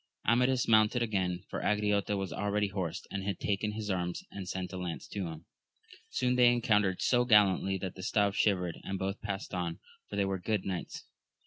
Amadis mounted again, for Angriote was already horsed, and had taken his arms, and sent a lance to him. Soon they encountered so gallantly, that the staves shivered, and both passed on, for they were good knights.